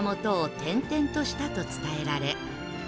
転々としたと伝えられ